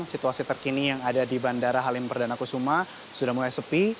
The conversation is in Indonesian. situasi terkini yang ada di bandara halim perdana kusuma sudah mulai sepi